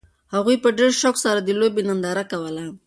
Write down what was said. هغوی په ډېر شوق سره د لوبې ننداره کوله.